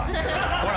ほら。